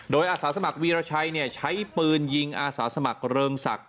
โดยอาสาสมัครวีรชัยใช้ปืนยิงอาสาสมัครเริงศักดิ